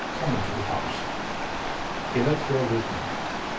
Come into the house." He let her lead him.